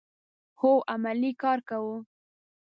هو، عملی کار کوو